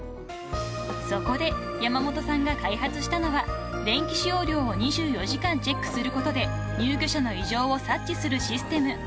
［そこで山本さんが開発したのは電気使用量を２４時間チェックすることで入居者の異常を察知するシステム］